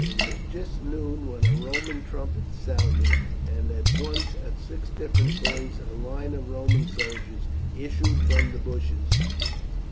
It was just noon when a Roman trumpet sounded, and at once at six different points a line of Roman soldiers issued from the bushes.